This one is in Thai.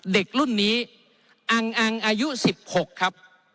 เด็กรุ่นนี้อังอายุ๑๖ครับ